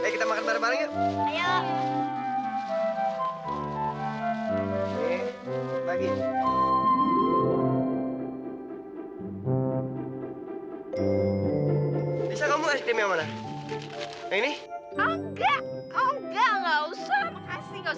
kita makan bareng bareng yuk